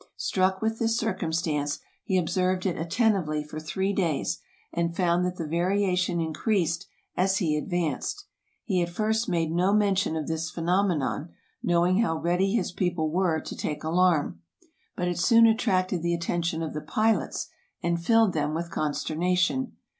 Struck with this circumstance, he observed it attentively for three days, and found that the variation increased as he advanced. He at first made no mention of this phenomenon, knowing how ready his people were to take alarm, but it soon attracted the attention of the pilots, and filled them with consterna tion.